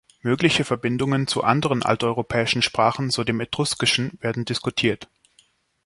Mögliche Verbindungen zu anderen alteuropäischen Sprachen, so dem Etruskischen, werden diskutiert.